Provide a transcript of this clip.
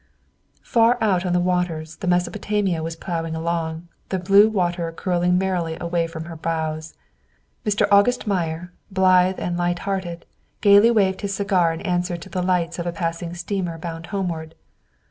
Far out on the waters the "Mesopotamia" was plowing along, the blue water curling merrily away from her bows. Mr. August Meyer, blithe and light hearted, gaily waved his cigar in answer to the lights of a passing steamer bound homeward.